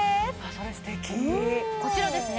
それステキこちらですね